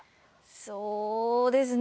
そうですね